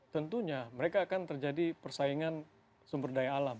tentunya mereka akan terjadi persaingan sumber daya alam